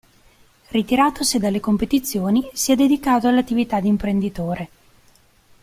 Ritiratosi dalle competizioni, si è dedicato all'attività di imprenditore.